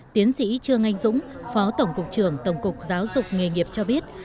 tiến sĩ trương anh dũng phó tổng cục trưởng tổng cục giáo dục nghề nghiệp cho biết